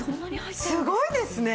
すごいですね！